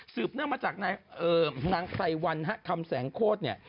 เนื่องมาจากนางไพรวันคำแสงโคตรเนี่ย